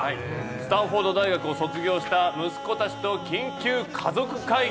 スタンフォード大学を卒業した息子たちと緊急家族会議。